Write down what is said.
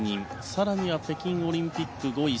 更には北京オリンピック、５位。